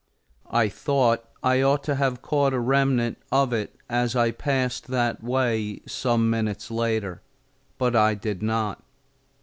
I thought I ought to have caught a remnant of it as I passed that way some minutes later, but I did not.